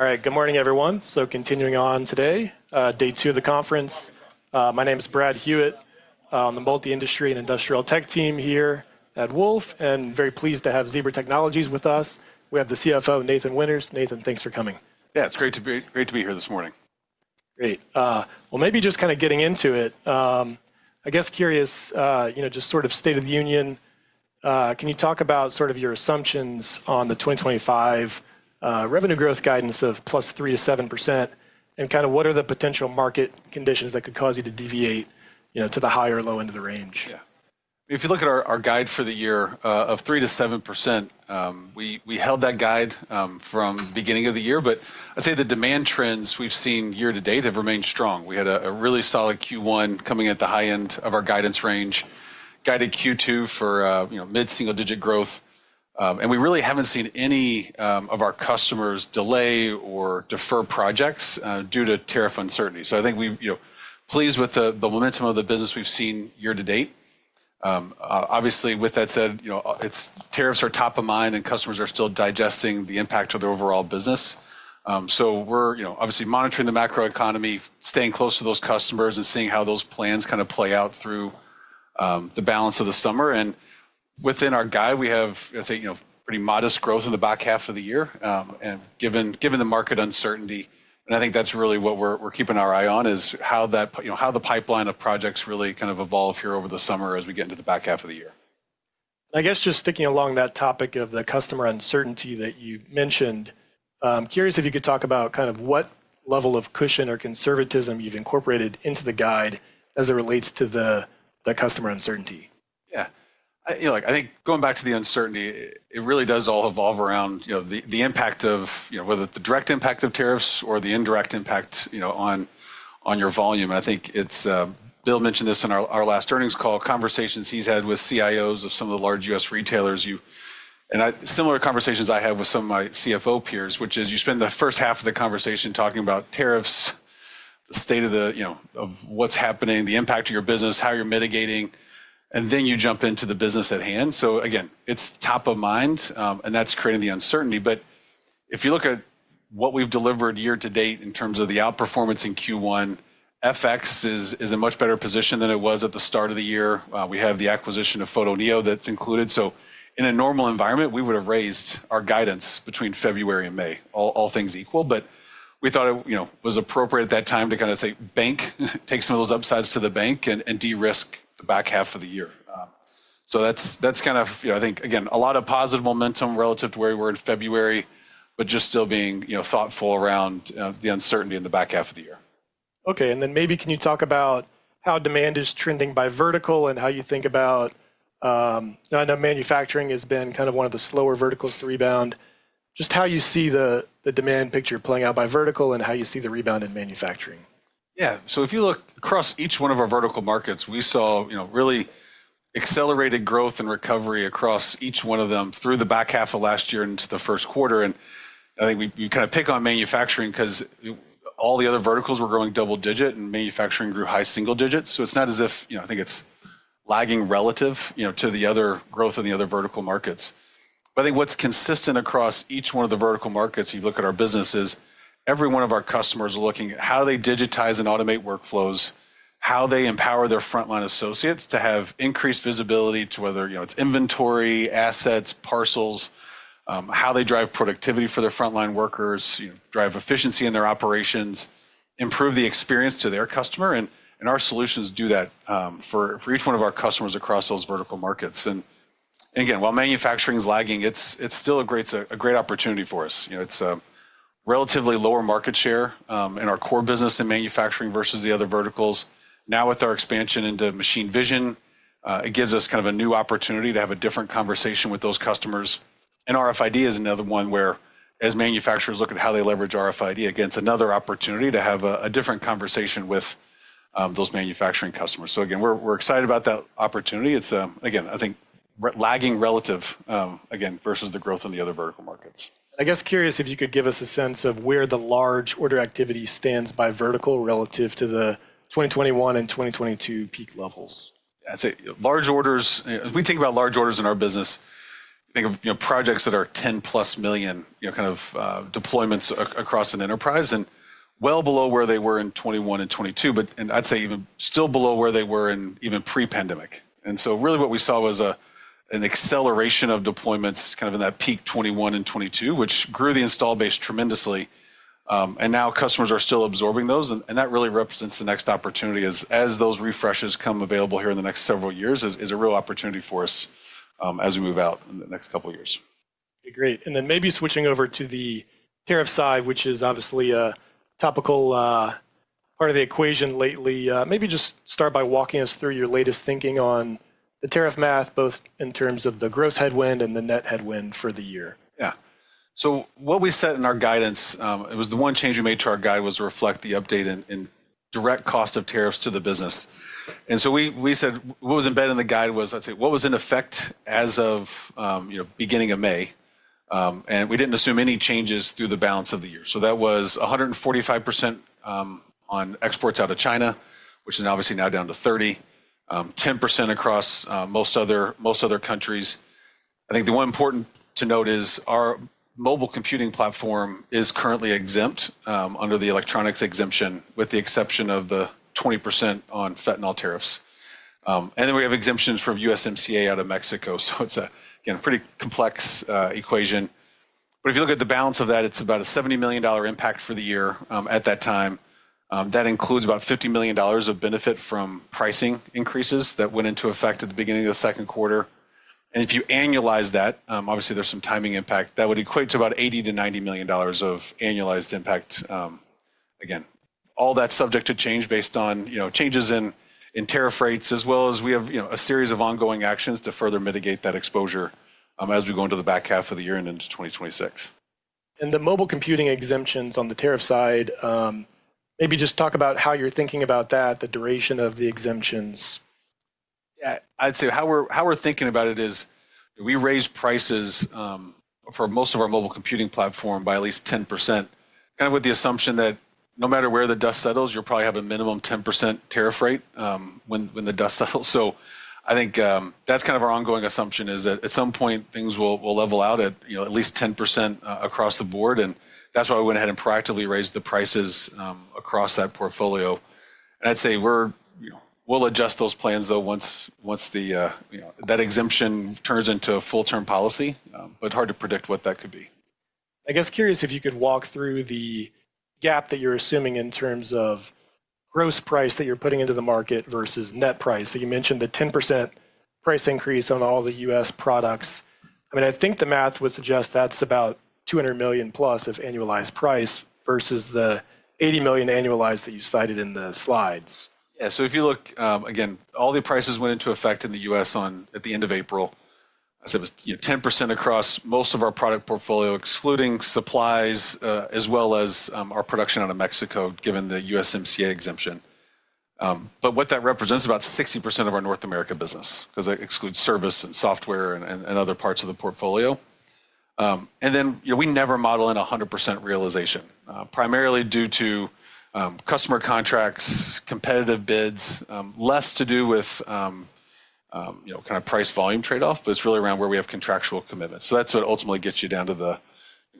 All right, good morning, everyone. Continuing on today, day two of the conference. My name is Brad Hewitt on the multi-industry and industrial tech team here at Wolfe, and very pleased to have Zebra Technologies with us. We have the CFO, Nathan Winters. Nathan, thanks for coming. Yeah, it's great to be here this morning. Great. Maybe just kind of getting into it, I guess curious, you know, just sort of state of the union. Can you talk about sort of your assumptions on the 2025 revenue growth guidance of plus three to seven percent, and kind of what are the potential market conditions that could cause you to deviate to the high or low end of the range? Yeah. If you look at our guide for the year of three to seven percent, we held that guide from the beginning of the year, but I'd say the demand trends we've seen year to date have remained strong. We had a really solid Q1 coming at the high end of our guidance range, guided Q2 for mid-single digit growth, and we really haven't seen any of our customers delay or defer projects due to tariff uncertainty. I think we're pleased with the momentum of the business we've seen year to date. Obviously, with that said, you know, tariffs are top of mind and customers are still digesting the impact of the overall business. We're obviously monitoring the macroeconomy, staying close to those customers and seeing how those plans kind of play out through the balance of the summer. Within our guide, we have, I'd say, pretty modest growth in the back half of the year given the market uncertainty. I think that's really what we're keeping our eye on is how the pipeline of projects really kind of evolve here over the summer as we get into the back half of the year. I guess just sticking along that topic of the customer uncertainty that you mentioned, I'm curious if you could talk about kind of what level of cushion or conservatism you've incorporated into the guide as it relates to the customer uncertainty. Yeah. I think going back to the uncertainty, it really does all evolve around the impact of whether it's the direct impact of tariffs or the indirect impact on your volume. I think Bill mentioned this in our last earnings call, conversations he's had with CIOs of some of the large US retailers, and similar conversations I have with some of my CFO peers, which is you spend the first half of the conversation talking about tariffs, the state of what's happening, the impact of your business, how you're mitigating, and then you jump into the business at hand. Again, it's top of mind, and that's creating the uncertainty. If you look at what we've delivered year to date in terms of the outperformance in Q1, FX is in a much better position than it was at the start of the year. We have the acquisition of Photoneo that's included. In a normal environment, we would have raised our guidance between February and May, all things equal, but we thought it was appropriate at that time to kind of say, bank, take some of those upsides to the bank and de-risk the back half of the year. That's kind of, I think, again, a lot of positive momentum relative to where we were in February, but just still being thoughtful around the uncertainty in the back half of the year. Okay. Maybe can you talk about how demand is trending by vertical and how you think about, I know manufacturing has been kind of one of the slower verticals to rebound, just how you see the demand picture playing out by vertical and how you see the rebound in manufacturing. Yeah. If you look across each one of our vertical markets, we saw really accelerated growth and recovery across each one of them through the back half of last year into the first quarter. I think you kind of pick on manufacturing because all the other verticals were growing double digit and manufacturing grew high single digits. It's not as if, I think, it's lagging relative to the other growth in the other vertical markets. I think what's consistent across each one of the vertical markets, you look at our businesses, every one of our customers are looking at how they digitize and automate workflows, how they empower their frontline associates to have increased visibility to whether it's inventory, assets, parcels, how they drive productivity for their frontline workers, drive efficiency in their operations, improve the experience to their customer. Our solutions do that for each one of our customers across those vertical markets. Again, while manufacturing is lagging, it's still a great opportunity for us. It's a relatively lower market share in our core business in manufacturing versus the other verticals. Now with our expansion into machine vision, it gives us kind of a new opportunity to have a different conversation with those customers. RFID is another one where as manufacturers look at how they leverage RFID, it gets another opportunity to have a different conversation with those manufacturing customers. Again, we're excited about that opportunity. It's, again, I think lagging relative, again, versus the growth in the other vertical markets. I guess curious if you could give us a sense of where the large order activity stands by vertical relative to the 2021 and 2022 peak levels. I'd say large orders, if we think about large orders in our business, think of projects that are $10 million-plus kind of deployments across an enterprise and well below where they were in 2021 and 2022, but I'd say even still below where they were in even pre-pandemic. Really what we saw was an acceleration of deployments kind of in that peak 2021 and 2022, which grew the install base tremendously. Now customers are still absorbing those. That really represents the next opportunity as those refreshes come available here in the next several years, which is a real opportunity for us as we move out in the next couple of years. Great. Maybe switching over to the tariff side, which is obviously a topical part of the equation lately, maybe just start by walking us through your latest thinking on the tariff math, both in terms of the gross headwind and the net headwind for the year. Yeah. What we set in our guidance, it was the one change we made to our guide was to reflect the update in direct cost of tariffs to the business. We said what was embedded in the guide was, I'd say, what was in effect as of beginning of May. We did not assume any changes through the balance of the year. That was 145% on exports out of China, which is obviously now down to 30%, 10% across most other countries. I think the one important to note is our mobile computing platform is currently exempt under the electronics exemption with the exception of the 20% on fentanyl tariffs. We have exemptions from USMCA out of Mexico. It is, again, a pretty complex equation. If you look at the balance of that, it's about a $70 million impact for the year at that time. That includes about $50 million of benefit from pricing increases that went into effect at the beginning of the second quarter. If you annualize that, obviously there's some timing impact that would equate to about $80-$90 million of annualized impact. Again, all that is subject to change based on changes in tariff rates, as well as we have a series of ongoing actions to further mitigate that exposure as we go into the back half of the year and into 2026. The mobile computing exemptions on the tariff side, maybe just talk about how you're thinking about that, the duration of the exemptions. Yeah, I'd say how we're thinking about it is we raised prices for most of our mobile computing platform by at least 10%, kind of with the assumption that no matter where the dust settles, you'll probably have a minimum 10% tariff rate when the dust settles. I think that's kind of our ongoing assumption is that at some point things will level out at least 10% across the board. That's why we went ahead and proactively raised the prices across that portfolio. I'd say we'll adjust those plans though once that exemption turns into a full-term policy, but hard to predict what that could be. I guess curious if you could walk through the gap that you're assuming in terms of gross price that you're putting into the market versus net price. You mentioned the 10% price increase on all the US products. I mean, I think the math would suggest that's about $200 million plus of annualized price versus the $80 million annualized that you cited in the slides. Yeah. If you look, again, all the prices went into effect in the U.S. at the end of April, I'd say it was 10% across most of our product portfolio, excluding supplies, as well as our production out of Mexico given the USMCA exemption. What that represents is about 60% of our North America business because that excludes service and software and other parts of the portfolio. We never model in 100% realization, primarily due to customer contracts, competitive bids, less to do with kind of price volume trade-off, but it's really around where we have contractual commitments. That's what ultimately gets you down to the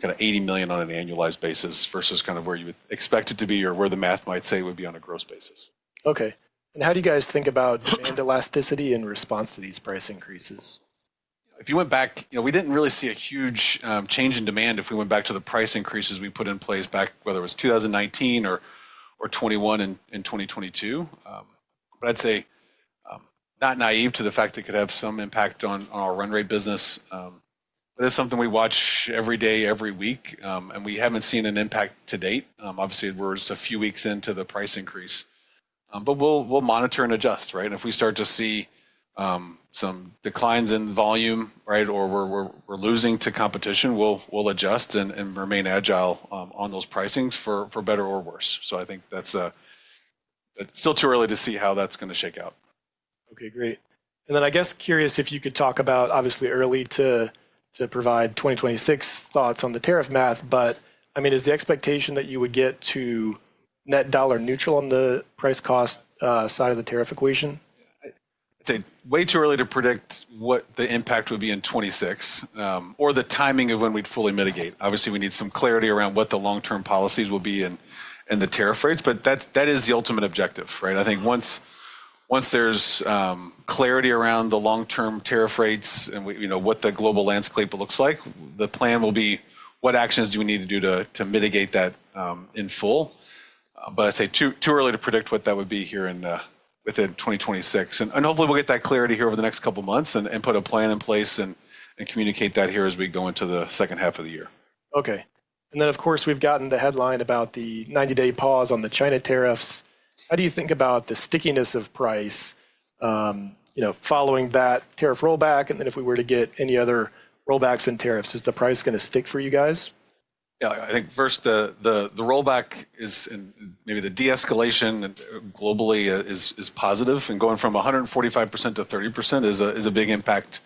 kind of $80 million on an annualized basis versus kind of where you would expect it to be or where the math might say it would be on a gross basis. Okay. How do you guys think about demand elasticity in response to these price increases? If you went back, we did not really see a huge change in demand if we went back to the price increases we put in place back, whether it was 2019 or 2021 and 2022. I would say not naive to the fact that it could have some impact on our run rate business. It is something we watch every day, every week, and we have not seen an impact to date. Obviously, we are just a few weeks into the price increase, but we will monitor and adjust, right? If we start to see some declines in volume, right, or we are losing to competition, we will adjust and remain agile on those pricings for better or worse. I think it is still too early to see how that is going to shake out. Okay, great. I guess curious if you could talk about, obviously early to provide 2026 thoughts on the tariff math, but I mean, is the expectation that you would get to net dollar neutral on the price cost side of the tariff equation? I'd say way too early to predict what the impact would be in 2026 or the timing of when we'd fully mitigate. Obviously, we need some clarity around what the long-term policies will be and the tariff rates, but that is the ultimate objective, right? I think once there's clarity around the long-term tariff rates and what the global landscape looks like, the plan will be what actions do we need to do to mitigate that in full. I'd say too early to predict what that would be here within 2026. Hopefully we'll get that clarity here over the next couple of months and put a plan in place and communicate that here as we go into the second half of the year. Okay. Of course, we've gotten the headline about the 90-day pause on the China tariffs. How do you think about the stickiness of price following that tariff rollback? If we were to get any other rollbacks in tariffs, is the price going to stick for you guys? Yeah, I think first the rollback is and maybe the de-escalation globally is positive. Going from 145% to 30% is a big impact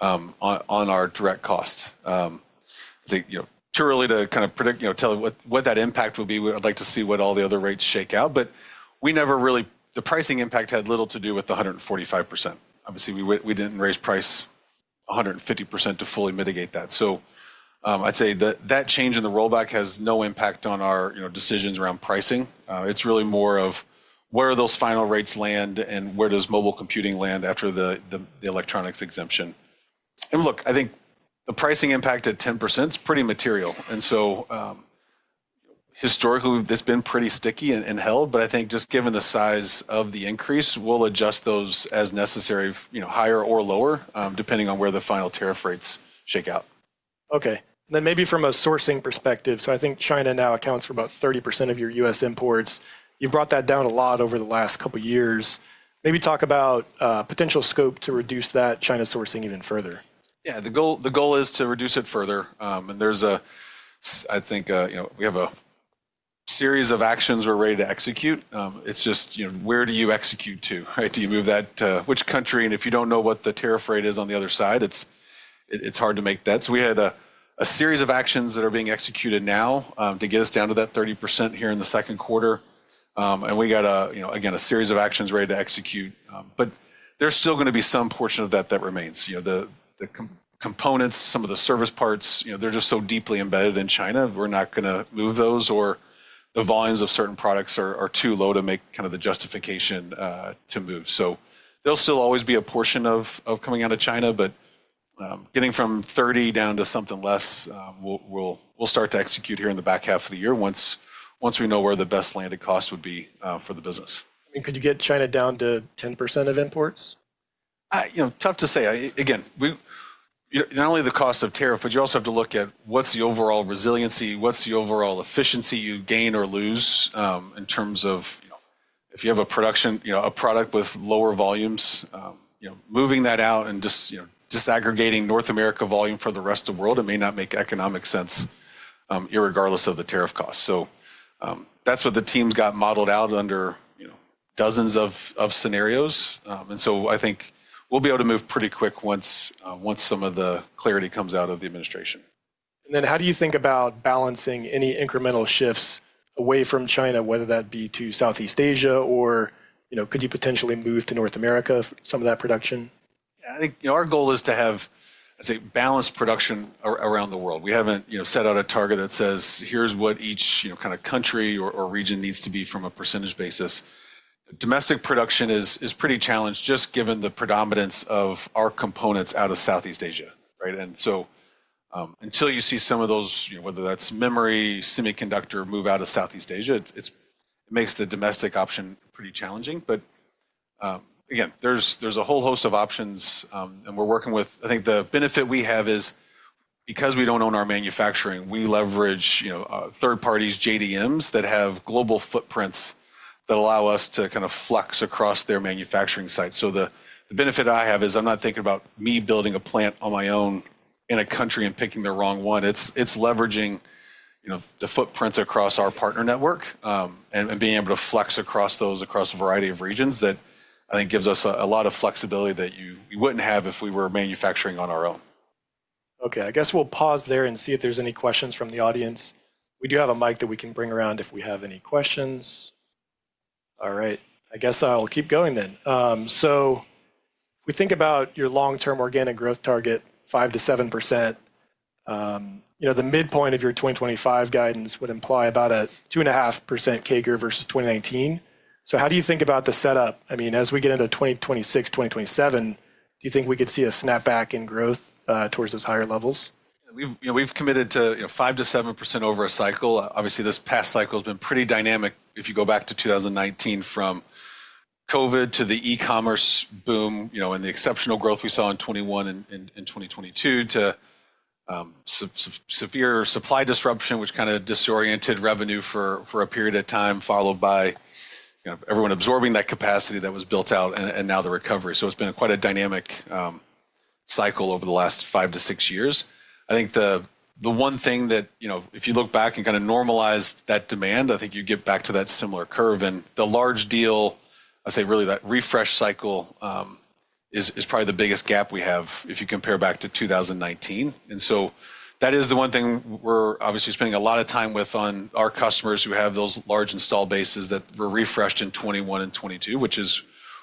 on our direct cost. I'd say too early to kind of predict, tell what that impact will be. I'd like to see what all the other rates shake out. We never really, the pricing impact had little to do with the 145%. Obviously, we didn't raise price 150% to fully mitigate that. I'd say that change in the rollback has no impact on our decisions around pricing. It's really more of where do those final rates land and where does mobile computing land after the electronics exemption. I think the pricing impact at 10% is pretty material. Historically, it's been pretty sticky and held, but I think just given the size of the increase, we'll adjust those as necessary, higher or lower, depending on where the final tariff rates shake out. Okay. Maybe from a sourcing perspective, I think China now accounts for about 30% of your US imports. You've brought that down a lot over the last couple of years. Maybe talk about potential scope to reduce that China sourcing even further. Yeah, the goal is to reduce it further. There's, I think we have a series of actions we're ready to execute. It's just where do you execute to, right? Do you move that to which country? If you don't know what the tariff rate is on the other side, it's hard to make that. We had a series of actions that are being executed now to get us down to that 30% here in the second quarter. We got, again, a series of actions ready to execute. There's still going to be some portion of that that remains. The components, some of the service parts, they're just so deeply embedded in China, we're not going to move those or the volumes of certain products are too low to make kind of the justification to move. There'll still always be a portion of coming out of China, but getting from 30 down to something less, we'll start to execute here in the back half of the year once we know where the best landed cost would be for the business. I mean, could you get China down to 10% of imports? Tough to say. Again, not only the cost of tariff, but you also have to look at what's the overall resiliency, what's the overall efficiency you gain or lose in terms of if you have a production, a product with lower volumes, moving that out and just disaggregating North America volume for the rest of the world, it may not make economic sense regardless of the tariff costs. That is what the team's got modeled out under dozens of scenarios. I think we'll be able to move pretty quick once some of the clarity comes out of the administration. How do you think about balancing any incremental shifts away from China, whether that be to Southeast Asia or could you potentially move to North America some of that production? I think our goal is to have, I'd say, balanced production around the world. We haven't set out a target that says, here's what each kind of country or region needs to be from a percentage basis. Domestic production is pretty challenged just given the predominance of our components out of Southeast Asia, right? Until you see some of those, whether that's memory, semiconductor move out of Southeast Asia, it makes the domestic option pretty challenging. Again, there's a whole host of options and we're working with, I think the benefit we have is because we don't own our manufacturing, we leverage third parties, JDMs that have global footprints that allow us to kind of flux across their manufacturing sites. The benefit I have is I'm not thinking about me building a plant on my own in a country and picking the wrong one. It's leveraging the footprints across our partner network and being able to flux across those across a variety of regions that I think gives us a lot of flexibility that you wouldn't have if we were manufacturing on our own. Okay, I guess we'll pause there and see if there's any questions from the audience. We do have a mic that we can bring around if we have any questions. All right, I guess I'll keep going then. We think about your long-term organic growth target, 5%-7%. The midpoint of your 2025 guidance would imply about a 2.5% CAGR versus 2019. How do you think about the setup? I mean, as we get into 2026, 2027, do you think we could see a snapback in growth towards those higher levels? We've committed to 5-7% over a cycle. Obviously, this past cycle has been pretty dynamic. If you go back to 2019 from COVID to the e-commerce boom and the exceptional growth we saw in 2021 and 2022 to severe supply disruption, which kind of disoriented revenue for a period of time, followed by everyone absorbing that capacity that was built out and now the recovery. It has been quite a dynamic cycle over the last five to six years. I think the one thing that if you look back and kind of normalize that demand, I think you get back to that similar curve. The large deal, I would say really that refresh cycle is probably the biggest gap we have if you compare back to 2019. That is the one thing we're obviously spending a lot of time with on our customers who have those large install bases that were refreshed in 2021 and 2022, which is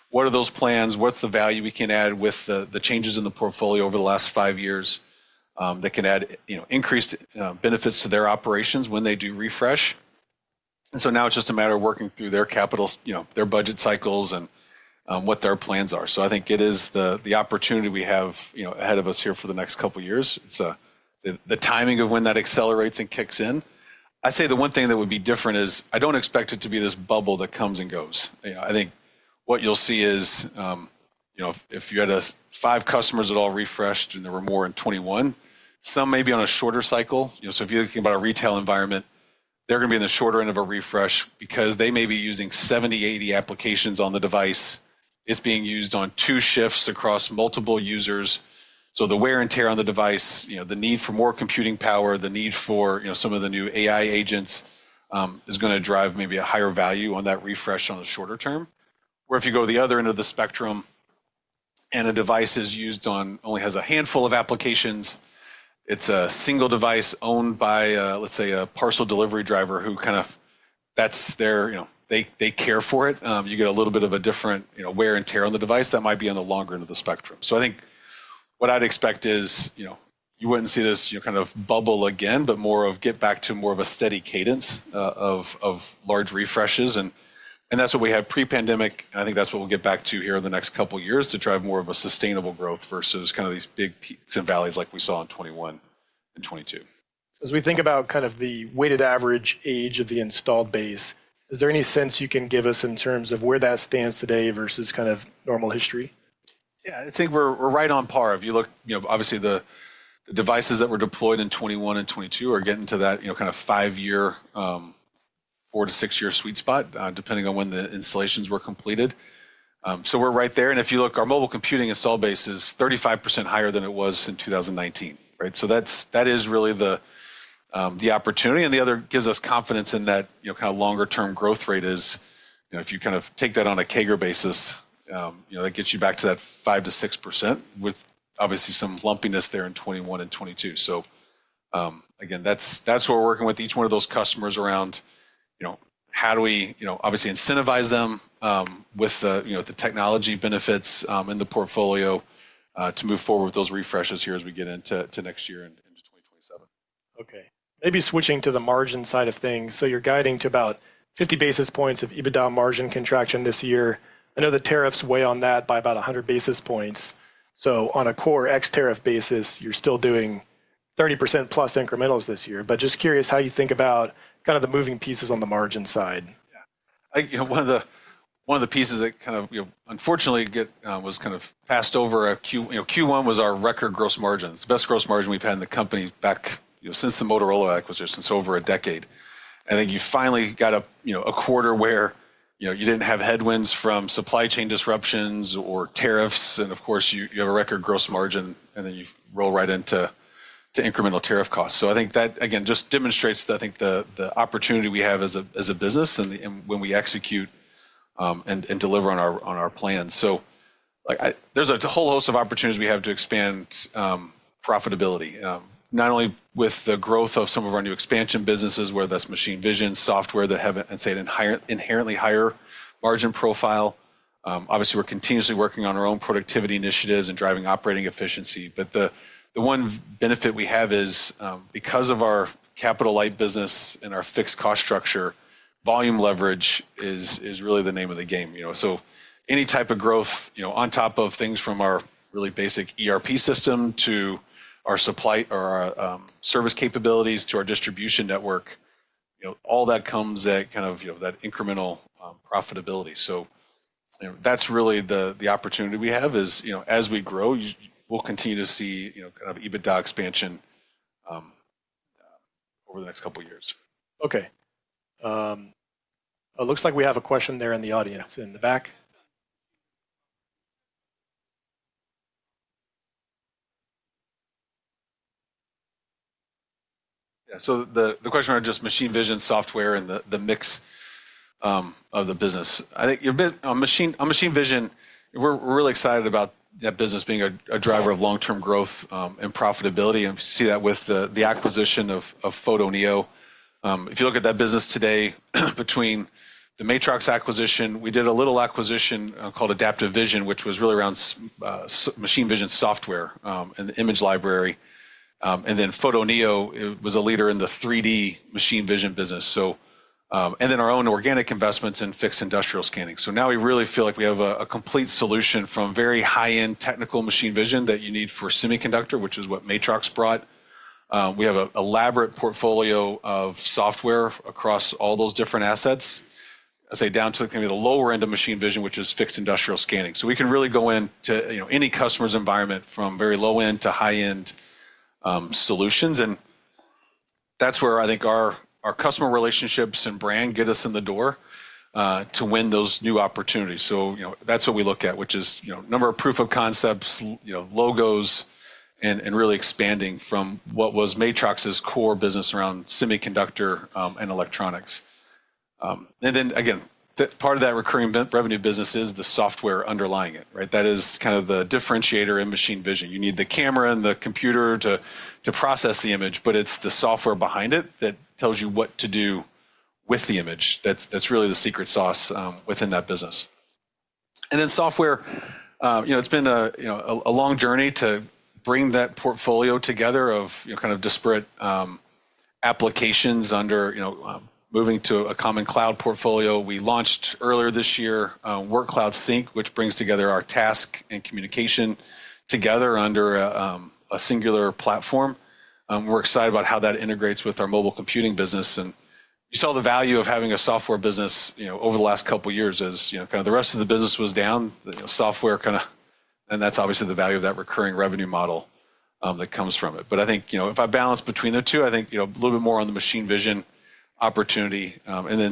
what are those plans, what's the value we can add with the changes in the portfolio over the last five years that can add increased benefits to their operations when they do refresh. Now it's just a matter of working through their capital, their budget cycles and what their plans are. I think it is the opportunity we have ahead of us here for the next couple of years. It's the timing of when that accelerates and kicks in. I'd say the one thing that would be different is I don't expect it to be this bubble that comes and goes. I think what you'll see is if you had five customers that all refreshed and there were more in 2021, some may be on a shorter cycle. If you're thinking about a retail environment, they're going to be in the shorter end of a refresh because they may be using 70, 80 applications on the device. It's being used on two shifts across multiple users. The wear and tear on the device, the need for more computing power, the need for some of the new AI agents is going to drive maybe a higher value on that refresh on the shorter term. Where if you go to the other end of the spectrum and a device is used on only has a handful of applications, it's a single device owned by, let's say, a parcel delivery driver who kind of that's their they care for it. You get a little bit of a different wear and tear on the device that might be on the longer end of the spectrum. I think what I'd expect is you wouldn't see this kind of bubble again, but more of get back to more of a steady cadence of large refreshes. That's what we had pre-pandemic. I think that's what we'll get back to here in the next couple of years to drive more of a sustainable growth versus kind of these big peaks and valleys like we saw in 2021 and 2022. As we think about kind of the weighted average age of the installed base, is there any sense you can give us in terms of where that stands today versus kind of normal history? Yeah, I think we're right on par. If you look, obviously the devices that were deployed in 2021 and 2022 are getting to that kind of five-year, four- to six-year sweet spot depending on when the installations were completed. We are right there. If you look, our mobile computing install base is 35% higher than it was in 2019, right? That is really the opportunity. The other thing that gives us confidence in that kind of longer-term growth rate is if you kind of take that on a CAGR basis, that gets you back to that 5-6% with obviously some lumpiness there in 2021 and 2022. Again, that's what we're working with each one of those customers around, how do we obviously incentivize them with the technology benefits in the portfolio to move forward with those refreshes here as we get into next year into 2027. Okay. Maybe switching to the margin side of things. You're guiding to about 50 basis points of EBITDA margin contraction this year. I know the tariffs weigh on that by about 100 basis points. On a core X tariff basis, you're still doing 30% plus incrementals this year. Just curious how you think about kind of the moving pieces on the margin side. Yeah. One of the pieces that kind of unfortunately was kind of passed over, Q1 was our record gross margins, best gross margin we've had in the company back since the Motorola acquisition, so over a decade. I think you finally got a quarter where you didn't have headwinds from supply chain disruptions or tariffs. Of course, you have a record gross margin and then you roll right into incremental tariff costs. I think that again, just demonstrates that I think the opportunity we have as a business and when we execute and deliver on our plans. There's a whole host of opportunities we have to expand profitability, not only with the growth of some of our new expansion businesses, whether that's machine vision software that have an inherently higher margin profile. Obviously, we're continuously working on our own productivity initiatives and driving operating efficiency. The one benefit we have is because of our capital light business and our fixed cost structure, volume leverage is really the name of the game. Any type of growth on top of things from our really basic ERP system to our supply or our service capabilities to our distribution network, all that comes at kind of that incremental profitability. That is really the opportunity we have is as we grow, we will continue to see kind of EBITDA expansion over the next couple of years. Okay. It looks like we have a question there in the audience in the back. Yeah. The question around just machine vision software and the mix of the business, I think, machine vision, we're really excited about that business being a driver of long-term growth and profitability. We see that with the acquisition of Photoneo. If you look at that business today, between the Matrox acquisition, we did a little acquisition called Adaptive Vision, which was really around machine vision software and the image library. Photoneo was a leader in the 3D machine vision business. Our own organic investments and fixed industrial scanning, now we really feel like we have a complete solution from very high-end technical machine vision that you need for semiconductor, which is what Matrox brought. We have an elaborate portfolio of software across all those different assets, I'd say, down to maybe the lower end of machine vision, which is fixed industrial scanning. We can really go into any customer's environment from very low-end to high-end solutions. That is where I think our customer relationships and brand get us in the door to win those new opportunities. That is what we look at, which is number of proof of concepts, logos, and really expanding from what was Matrox's core business around semiconductor and electronics. Part of that recurring revenue business is the software underlying it, right? That is kind of the differentiator in machine vision. You need the camera and the computer to process the image, but it is the software behind it that tells you what to do with the image. That is really the secret sauce within that business. Software, it has been a long journey to bring that portfolio together of kind of disparate applications under moving to a common cloud portfolio. We launched earlier this year Work Cloud Sync, which brings together our task and communication together under a singular platform. We’re excited about how that integrates with our mobile computing business. You saw the value of having a software business over the last couple of years as kind of the rest of the business was down, software kind of, and that’s obviously the value of that recurring revenue model that comes from it. I think if I balance between the two, I think a little bit more on the machine vision opportunity.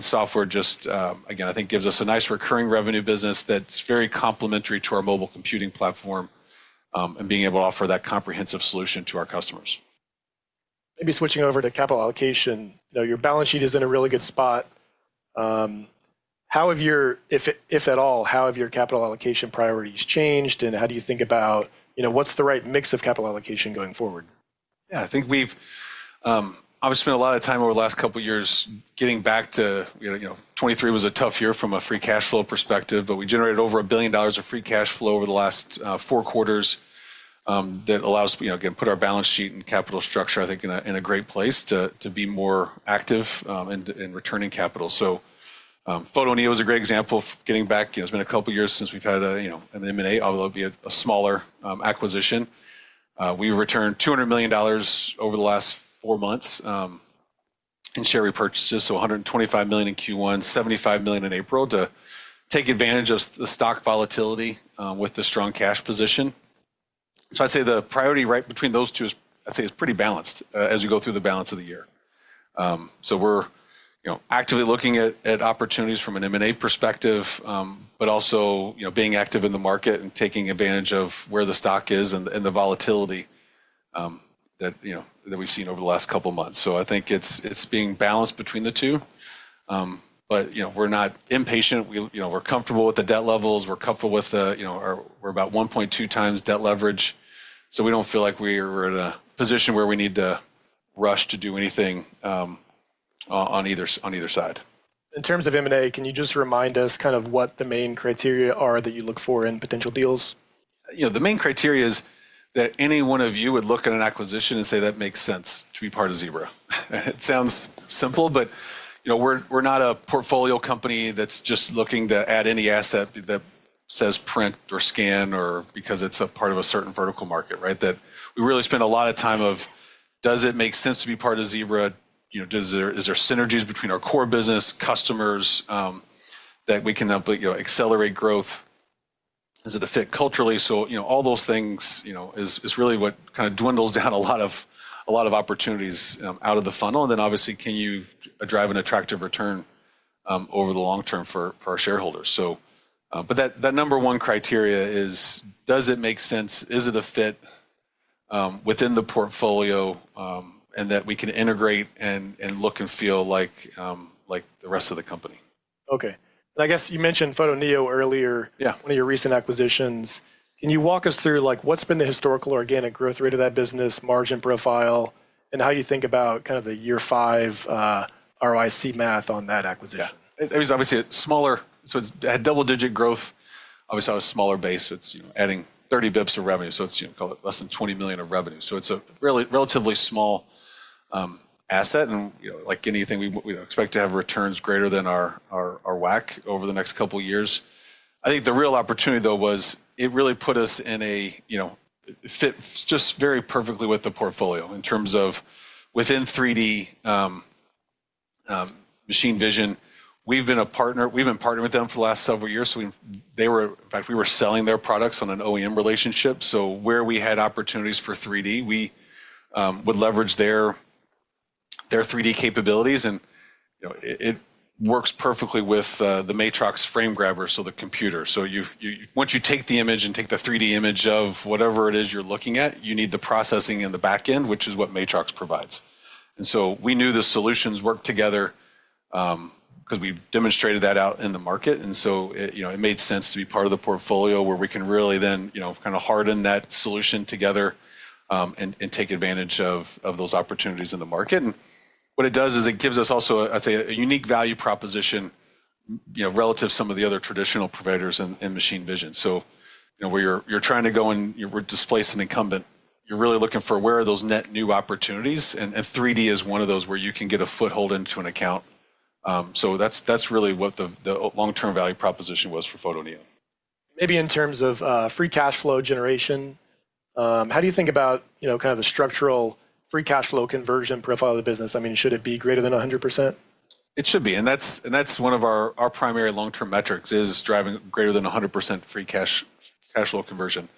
Software just, again, I think gives us a nice recurring revenue business that’s very complementary to our mobile computing platform and being able to offer that comprehensive solution to our customers. Maybe switching over to capital allocation, your balance sheet is in a really good spot. How have your, if at all, how have your capital allocation priorities changed and how do you think about what's the right mix of capital allocation going forward? Yeah, I think we've obviously spent a lot of time over the last couple of years getting back to 2023 was a tough year from a free cash flow perspective, but we generated over $1 billion of free cash flow over the last four quarters that allows us, again, put our balance sheet and capital structure, I think in a great place to be more active in returning capital. Photoneo is a great example of getting back. It's been a couple of years since we've had an M&A, although it'd be a smaller acquisition. We returned $200 million over the last four months in share repurchases, $125 million in Q1, $75 million in April to take advantage of the stock volatility with the strong cash position. I'd say the priority right between those two is, I'd say it's pretty balanced as you go through the balance of the year. We're actively looking at opportunities from an M&A perspective, but also being active in the market and taking advantage of where the stock is and the volatility that we've seen over the last couple of months. I think it's being balanced between the two, but we're not impatient. We're comfortable with the debt levels. We're comfortable with, we're about 1.2 times debt leverage. We don't feel like we're in a position where we need to rush to do anything on either side. In terms of M&A, can you just remind us kind of what the main criteria are that you look for in potential deals? The main criteria is that any one of you would look at an acquisition and say, "That makes sense to be part of Zebra." It sounds simple, but we're not a portfolio company that's just looking to add any asset that says print or scan or because it's a part of a certain vertical market, right? We really spend a lot of time of, "Does it make sense to be part of Zebra? Is there synergies between our core business customers that we can accelerate growth? Is it a fit culturally?" All those things is really what kind of dwindles down a lot of opportunities out of the funnel. Obviously, can you drive an attractive return over the long term for our shareholders? That number one criteria is, "Does it make sense? Is it a fit within the portfolio and that we can integrate and look and feel like the rest of the company? Okay. I guess you mentioned Photoneo earlier, one of your recent acquisitions. Can you walk us through what's been the historical organic growth rate of that business, margin profile, and how you think about kind of the year five ROIC math on that acquisition? Yeah. It was obviously a smaller, so it had double-digit growth. Obviously, on a smaller base, it's adding 30 basis points of revenue. So it's called less than $20 million of revenue. So it's a relatively small asset. And like anything, we expect to have returns greater than our WACC over the next couple of years. I think the real opportunity though was it really put us in a fit just very perfectly with the portfolio in terms of within 3D machine vision. We've been a partner, we've been partnering with them for the last several years. So they were, in fact, we were selling their products on an OEM relationship. So where we had opportunities for 3D, we would leverage their 3D capabilities. And it works perfectly with the Matrox frame grabber, so the computer. Once you take the image and take the 3D image of whatever it is you're looking at, you need the processing in the backend, which is what Matrox provides. We knew the solutions worked together because we demonstrated that out in the market. It made sense to be part of the portfolio where we can really then kind of harden that solution together and take advantage of those opportunities in the market. What it does is it gives us also, I'd say, a unique value proposition relative to some of the other traditional providers in machine vision. Where you're trying to go and we're displacing incumbent, you're really looking for where are those net new opportunities. 3D is one of those where you can get a foothold into an account. That's really what the long-term value proposition was for Photoneo. Maybe in terms of free cash flow generation, how do you think about kind of the structural free cash flow conversion profile of the business? I mean, should it be greater than 100%? It should be. That is one of our primary long-term metrics, driving greater than 100% free cash flow conversion.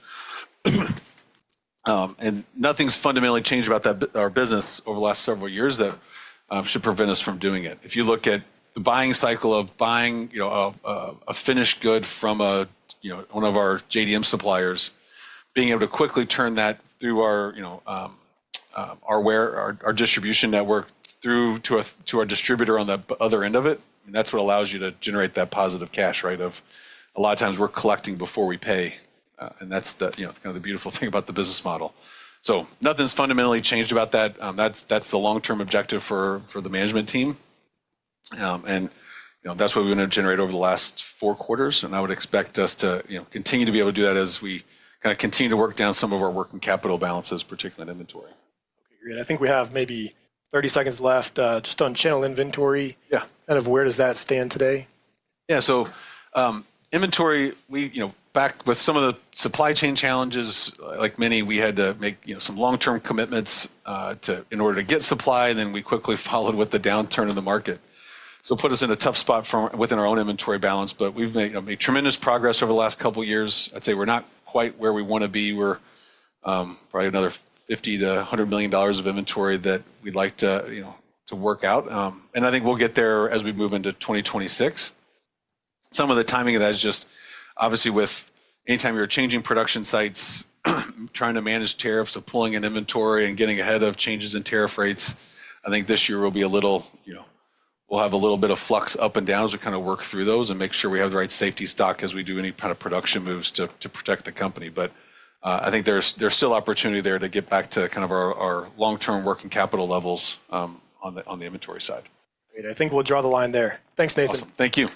Nothing's fundamentally changed about our business over the last several years that should prevent us from doing it. If you look at the buying cycle of buying a finished good from one of our JDM suppliers, being able to quickly turn that through our distribution network through to our distributor on the other end of it, that is what allows you to generate that positive cash, right? A lot of times we're collecting before we pay. That is kind of the beautiful thing about the business model. Nothing's fundamentally changed about that. That is the long-term objective for the management team. That is what we're going to generate over the last four quarters. I would expect us to continue to be able to do that as we kind of continue to work down some of our working capital balances, particularly in inventory. Okay. Great. I think we have maybe 30 seconds left just on channel inventory. Kind of where does that stand today? Yeah. So inventory, back with some of the supply chain challenges, like many, we had to make some long-term commitments in order to get supply. Then we quickly followed with the downturn of the market. It put us in a tough spot within our own inventory balance. We've made tremendous progress over the last couple of years. I'd say we're not quite where we want to be. We're probably another $50 million-$100 million of inventory that we'd like to work out. I think we'll get there as we move into 2026. Some of the timing of that is just obviously with anytime you're changing production sites, trying to manage tariffs, pulling in inventory and getting ahead of changes in tariff rates. I think this year will be a little, we'll have a little bit of flux up and down as we kind of work through those and make sure we have the right safety stock as we do any kind of production moves to protect the company. I think there's still opportunity there to get back to kind of our long-term working capital levels on the inventory side. Great. I think we'll draw the line there. Thanks, Nathan. Awesome. Thank you.